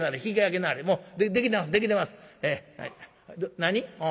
何？